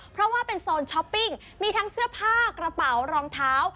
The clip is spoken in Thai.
เพราะว่าเป็นโซนช้อปปิ้งมีทั้งเสื้อผ้ากระเป๋ารองเท้า